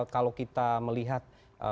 kalau kita melihat